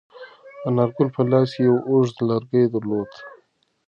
انارګل په لاس کې یو اوږد لرګی درلود.